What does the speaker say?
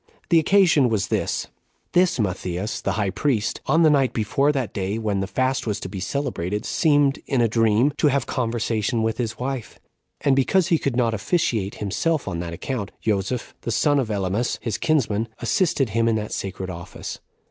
The occasion was this: This Matthias the high priest, on the night before that day when the fast was to be celebrated, seemed, in a dream, 7 to have conversation with his wife; and because he could not officiate himself on that account, Joseph, the son of Ellemus, his kinsman, assisted him in that sacred office.